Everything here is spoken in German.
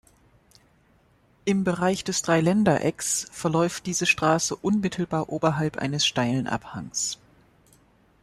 Im Bereich des Dreiländerecks verläuft diese Straße unmittelbar oberhalb eines steilen Abhangs.